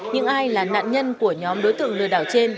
những ai là nạn nhân của nhóm đối tượng lừa đảo trên